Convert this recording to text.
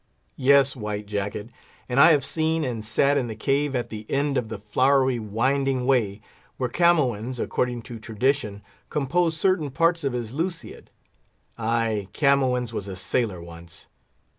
Yes, White Jacket, and I have seen and sat in the cave at the end of the flowery, winding way, where Camoens, according to tradition, composed certain parts of his Lusiad. Ay, Camoens was a sailor once!